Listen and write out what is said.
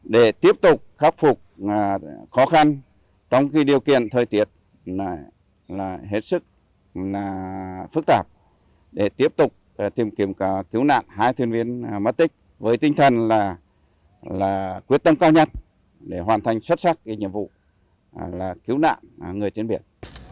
để tiếp tục khắc phục khó khăn trong cái điều kiện thời tiết